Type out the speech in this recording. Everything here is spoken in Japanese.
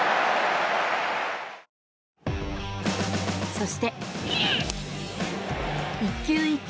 そして１球１球